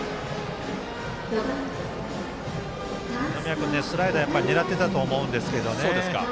二宮君はスライダーを狙っていたと思いますけどね。